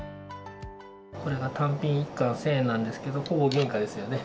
これが単品１貫１０００円なんですけど、ほぼ原価ですよね。